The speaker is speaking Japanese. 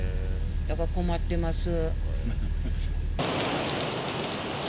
だから困ってます。